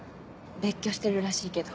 別居してるらしいけど。